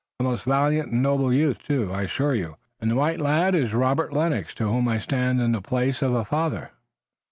A most valiant and noble youth, too, I assure you, and the white lad is Robert Lennox, to whom I stand in the place of a father."